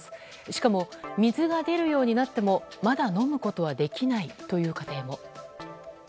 しかも、水が出るようになってもまだ飲むことはできないという家庭も。